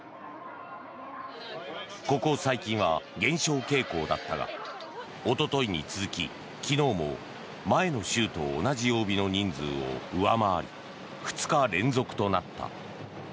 ここ最近は減少傾向だったがおとといに続き昨日も前の週と同じ曜日の人数を上回り２日連続となった。